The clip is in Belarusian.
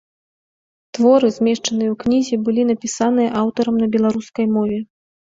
Творы, змешчаныя ў кнізе, былі напісаныя аўтарам на беларускай мове.